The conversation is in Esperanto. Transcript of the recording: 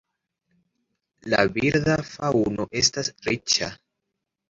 La birda faŭno estas riĉa.